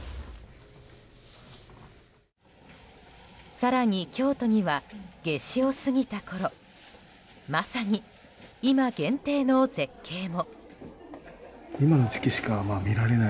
更に京都には夏至を過ぎたころまさに、今限定の絶景も。